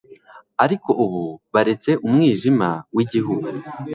Ariko ubu baretse umwijima wigihugu